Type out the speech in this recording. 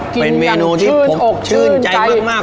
เป็นเมนูที่ผมชื่นใจมาก